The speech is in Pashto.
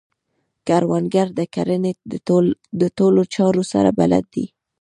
کروندګر د کرنې د ټولو چارو سره بلد دی